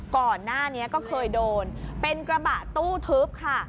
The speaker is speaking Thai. ก่อนหน้านี้ก็เคยโดนเป็นกระบะตู้ทึบค่ะ